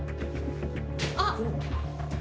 あっ。